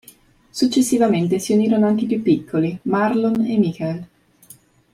Successivamente si unirono anche i più piccoli Marlon e Michael.